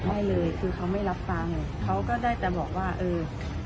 ไม่เลยคือเขาไม่รับฟังเขาก็ได้แต่บอกว่าเออ